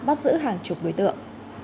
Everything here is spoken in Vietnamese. bắt giữ hàng chục đối tượng